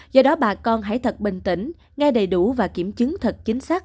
do đó bà con hãy thật bình tĩnh nghe đầy đủ và kiểm chứng thật chính xác